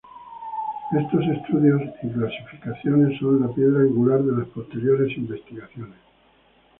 Estos estudios y clasificaciones son la piedra angular de las posteriores investigaciones.